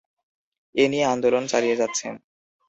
এ নিয়ে আন্দোলন চালিয়ে যাচ্ছেন।